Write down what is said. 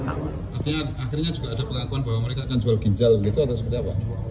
artinya akhirnya juga ada pengakuan bahwa mereka akan jual ginjal gitu atau seperti apa